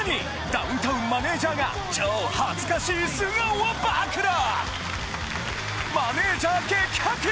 ダウンタウンマネジャーが超恥ずかしい素顔を暴露！